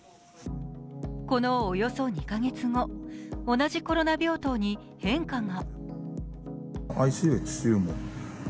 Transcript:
このおよそ２カ月後、同じコロナ病棟に変化が。